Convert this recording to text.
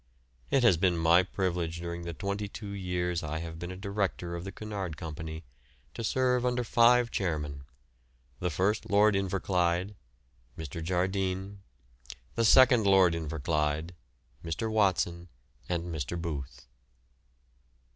It has been my privilege during the twenty two years I have been a director of the Cunard Company, to serve under five chairmen the first Lord Inverclyde, Mr. Jardine, the second Lord Inverclyde, Mr. Watson, and Mr. Booth.